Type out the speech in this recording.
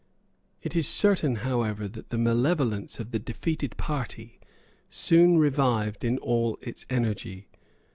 It is certain, however, that the malevolence of the defeated party soon revived in all its energy.